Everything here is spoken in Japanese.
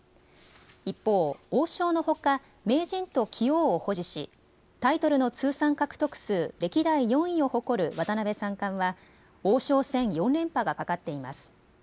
一方、王将のほか名人と棋王を保持しタイトルの通算獲得数歴代４位を誇る渡辺三冠は王将戦４連覇がかかっています。